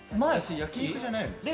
焼き肉じゃないよね。